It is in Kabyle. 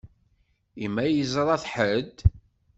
I ma yeẓṛa-t ḥedd?